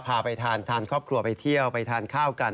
พาไปทานทานครอบครัวไปเที่ยวไปทานข้าวกัน